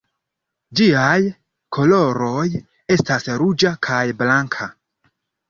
Ĝiaj koloroj estas ruĝa kaj blanka.